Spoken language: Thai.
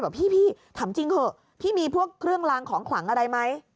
พี่ถามจริงเถอะพี่มีพวกเครื่องลางของขลังอะไรไหม